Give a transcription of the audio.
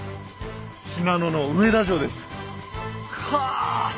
信濃の上田城です。かぁ！